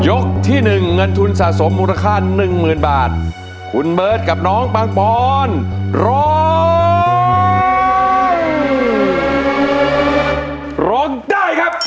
เงินทุนสะสมมูลค่าหนึ่งหมื่นบาทคุณเบิร์ตกับน้องปังปอนร้องได้ครับ